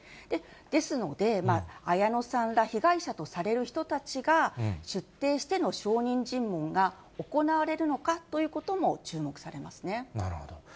ですので、綾野さんら被害者とされる人たちが出廷しての証人尋問が行われるなるほど。